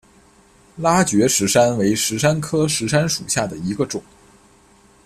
拉觉石杉为石杉科石杉属下的一个种。